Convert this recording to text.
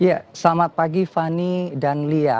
ya selamat pagi fani dan lia